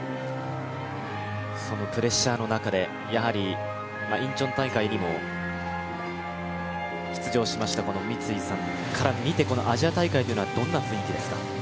そのプレッシャーの中でインチョン大会にも出場しました、三井さんから見てこのアジア大会というのはどんな雰囲気ですか？